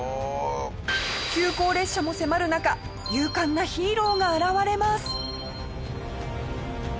急行列車も迫る中勇敢なヒーローが現れます！